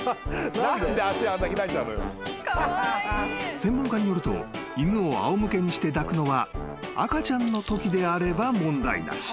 ［専門家によると犬をあお向けにして抱くのは赤ちゃんのときであれば問題なし］